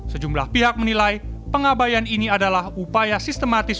sejumlah pihak menilai pengabayan ini adalah upaya sistematis